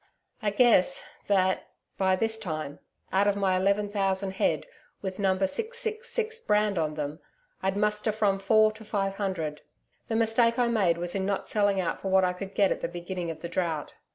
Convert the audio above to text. I guess that by this time, out of my eleven thousand head with No. 666 brand on them I'd muster from four to five hundred. The mistake I made was in not selling out for what I could get at the beginning of the Drought.